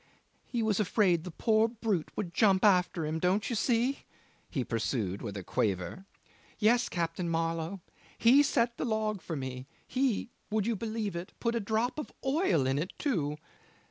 "He was afraid the poor brute would jump after him, don't you see?" he pursued with a quaver. "Yes, Captain Marlow. He set the log for me; he would you believe it? he put a drop of oil in it too.